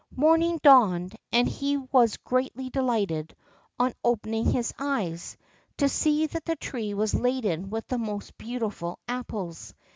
Morning dawned, and he was greatly delighted, on opening his eyes, to see that the tree was laden with the most beautiful apples.